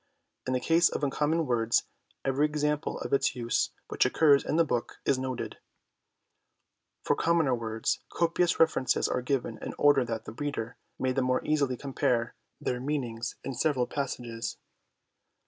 In the case of uncommon words every example of its use which occurs in the book is noted ; for commoner words copious references are given in order that the reader may the more easily compare their meanings in several passages.